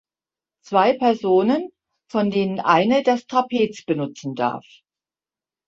Zwei Personen, von denen eine das Trapez benutzen darf.